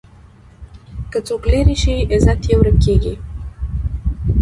که څوک لرې شي، عزت یې ورک کېږي.